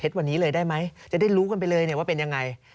วันนี้เลยได้ไหมจะได้รู้กันไปเลยว่าเป็นยังไง